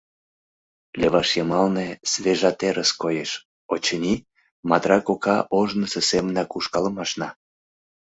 Леваш йымалне свежа терыс коеш, очыни, Матра кока ожнысо семынак ушкалым ашна.